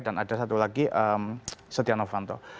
dan ada satu lagi setia novanto